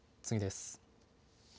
次です。